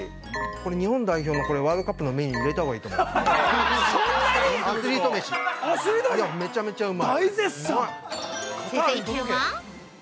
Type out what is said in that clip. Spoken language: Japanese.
これ、日本代表のワールドカップのメニューに入れたほうがいいと思います。